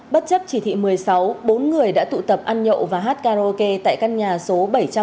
bất chấp chỉ thị một mươi sáu bốn người đã tụ tập ăn nhậu và hát karaoke tại căn nhà số bảy trăm bảy mươi tám